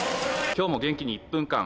今日も元気に「１分間！